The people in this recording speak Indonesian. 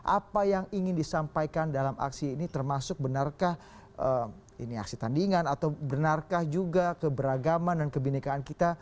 apa yang ingin disampaikan dalam aksi ini termasuk benarkah ini aksi tandingan atau benarkah juga keberagaman dan kebenekaan kita